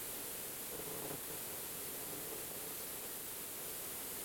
维捷尔尼科夫生于斯维尔德洛夫斯克。